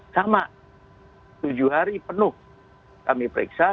sama tujuh hari penuh kami periksa